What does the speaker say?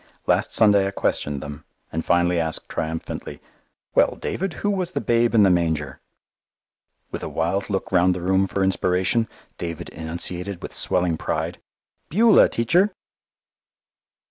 Last Sunday I questioned them, and finally asked triumphantly, "Well, David, who was the Babe in the manger?" With a wild look round the room for inspiration, David enunciated with swelling pride, "Beulah, Teacher."